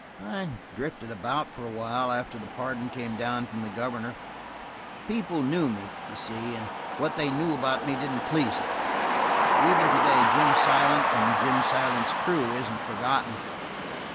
"I drifted about for a while after the pardon came down from the governor. People knew me, you see, and what they knew about me didn't please them. Even today Jim Silent and Jim Silent's crew isn't forgotten.